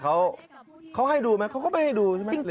เขาให้ดูไหมเขาก็ไม่ให้ดูใช่ไหม